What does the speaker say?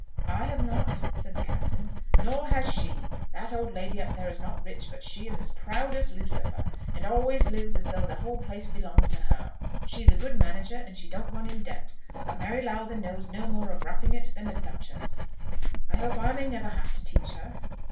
"I have not," said the Captain. "Nor has she. That old lady up there is not rich, but she is as proud as Lucifer, and always lives as though the whole place belonged to her. She's a good manager, and she don't run in debt; but Mary Lowther knows no more of roughing it than a duchess." "I hope I may never have to teach her."